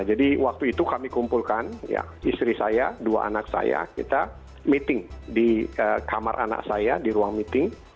jadi waktu itu kami kumpulkan istri saya dua anak saya kita meeting di kamar anak saya di ruang meeting